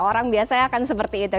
orang biasanya akan seperti itu